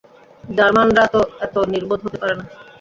জার্মানরা তো এতো নির্বোধ হতে পারে না।